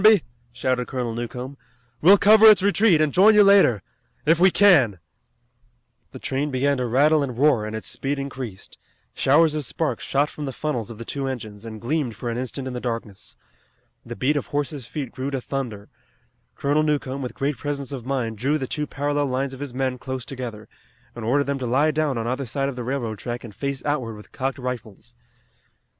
shouted Colonel Newcomb. "We'll cover its retreat, and join you later if we can." The train began to rattle and roar, and its speed increased. Showers of sparks shot from the funnels of the two engines, and gleamed for an instant in the darkness. The beat of horses' feet grew to thunder. Colonel Newcomb with great presence of mind drew the two parallel lines of his men close together, and ordered them to lie down on either side of the railroad track and face outward with cocked rifles.